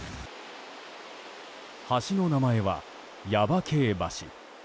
橋の名前は、耶馬渓橋。